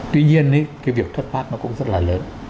tuy nhiên cái việc thuất phát nó cũng rất là lớn